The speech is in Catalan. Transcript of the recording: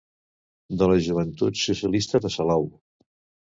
De la Joventut Socialista de Salou.